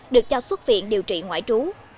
được cho xuất viện điều trị ngoại trú